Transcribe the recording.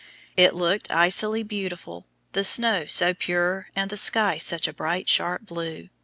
It looked icily beautiful, the snow so pure and the sky such a bright, sharp blue!